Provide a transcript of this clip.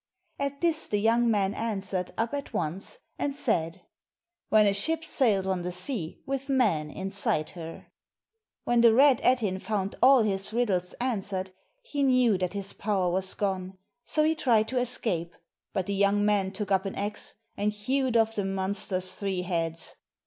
At this the young man answered up at once and said : "When a ship sails on the sea with men inside her." When the Red Ettin found all his riddles answered, he knew that his power was gone, so he tried to escape, but the young man took up an axe and hewed off the monster's three heads.